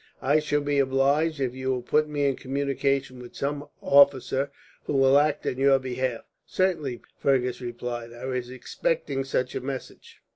I shall be obliged if you will put me in communication with some officer who will act on your behalf." "Certainly," Fergus replied. "I was expecting such a message."